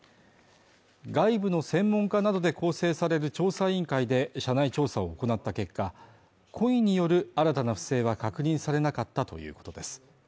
外部の専門家などで構成される調査委員会で社内調査を行った結果、故意による新たな不正は確認されなかったということです。